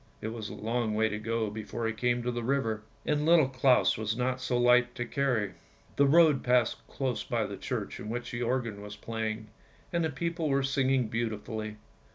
" It was a long way to go before he came to the river, and Little Claus was not so light to carry. The road passed close by the church in which the organ was playing, and the people were singing beautifully.